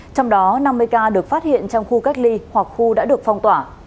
trong đó năm mươi ca được phát hiện trong khu cách ly hoặc khu đã được phong tỏa